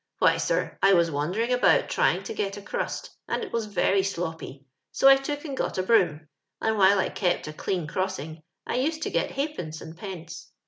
Why, sir, I was wandering a))out trying to get a crust, and it was veiy sloppy, so I took and got a broom ; and while I kept a clean cross ing, I used to get ha'pence and pence.